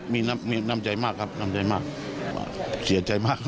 เสียใจมากครับผมเสียใจมาก